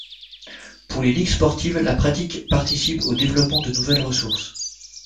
Pour les ligues sportives la pratique participe au développement de nouvelles ressources.